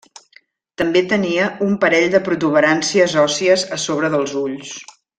També tenia un parell de protuberàncies òssies a sobre dels ulls.